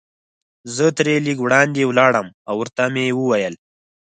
زه ترې لږ وړاندې ولاړم او ورته مې وویل.